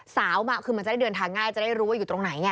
สามคือมันจะได้เดินทางง่ายจะได้รู้ว่าอยู่ตรงไหน